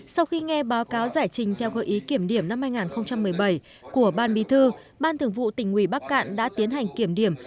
sau khi nghe báo cáo giải trình theo gợi ý kiểm điểm năm hai nghìn một mươi bảy của ban bí thư ban thường vụ tỉnh ủy bắc cạn đã tiến hành kiểm điểm